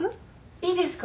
いいですか？